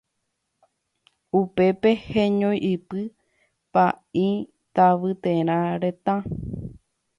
Upépe heñoiʼypy Paĩ Tavyterã retã.